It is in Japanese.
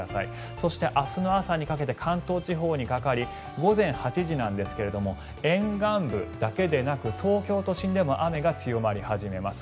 そして、明日の朝にかけて関東地方にかかり午前８時なんですが沿岸部だけでなく、東京都心でも雨が強まり始めます。